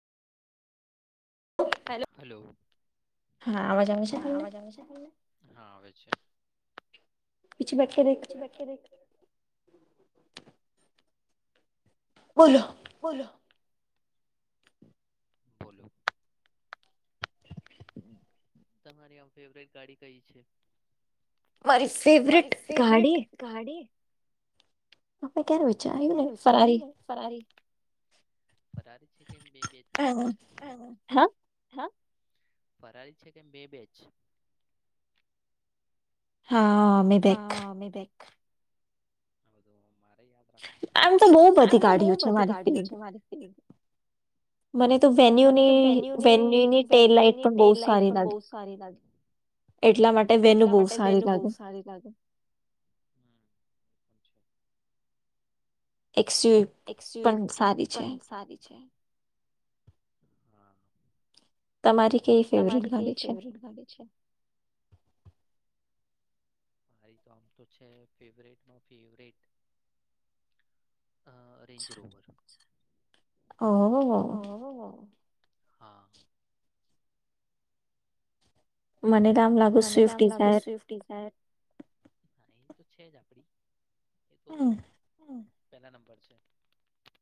હ હલો. હા અવાજ આવે છેને. [inaudible] છ વખ્યા ર. બોલો. બુલ. તમારી આમ ફેવરેટ ગાડી કઈ છે. મારી ફેવરેટ ગાડી. આપે કે્યારે વિચાર્યું ને ફરારી. ફરાર છે. એ બેન બહેનો છે [inaudible] [inaudible] [unintelligible] હા મીબેક. [unintelligible] આમ તો બહ બધી ગાઢઓ છે મારી ફડ. મને તો વેન્યુની વેન્યુની ટેલ લઇટ પણ બહુ સારી લાગે એટલા માટે વેન્યુ બહુ સારી લાગે. શિફ્ટ પણ સારી છે. તમારી કેવી ફેવરેટ ગાડી છે. [unintelligible] ફેવરેટ રેન્જ રોવર ઓ. હા. મને દમ લાગુ સુિફ્ટ ડિઝાયર. તો છે જ આપણી. [inaudible] પેલા નંબર છે.